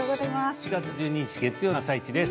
７月１２日、月曜日の「あさイチ」です。